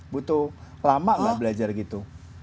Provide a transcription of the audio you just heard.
butuh lama nggak belajar gitu